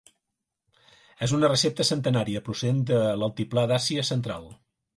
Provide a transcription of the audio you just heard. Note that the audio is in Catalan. És una recepta centenària procedent de l'altiplà d'Àsia central.